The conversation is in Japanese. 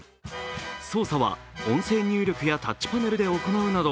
操作は音声入力やタッチパネルで行うなど